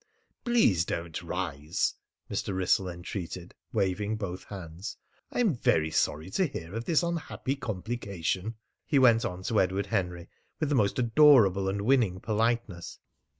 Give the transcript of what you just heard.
"Please don't rise," Mr. Wrissell entreated, waving both hands. "I'm very sorry to hear of this unhappy complication," he went on to Edward Henry with the most adorable and winning politeness.